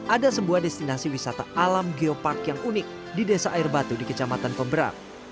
ada sebuah destinasi wisata alam geopark yang unik di desa air batu di kecamatan pemberang